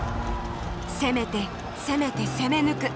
攻めて攻めて攻め抜く。